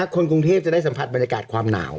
คนกรุงเทพจะได้สัมผัสบรรยากาศความหนาว